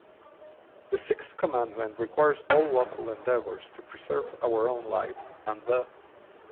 The sixth commandment requires all lawful endeavors to preserve our own life, and the